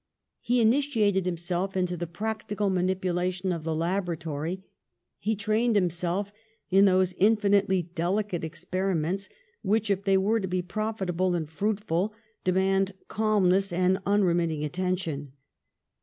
He initiated himself into the practical manipulation of the laboratory, he trained himself in those infinitely delicate ex periments which, if they are to be profitable and fruitful, demand calmness and unremit ting attention.